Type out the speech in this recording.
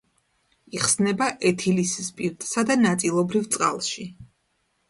იხსნება ეთილის სპირტსა და ნაწილობრივ წყალში.